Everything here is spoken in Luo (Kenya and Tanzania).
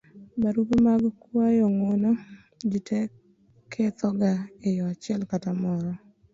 barupe mag kuayo ng'uono; jite kethoga e yo achiel kata moro